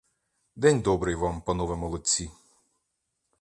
День добрий вам, панове молодці!